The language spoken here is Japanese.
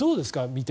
見て。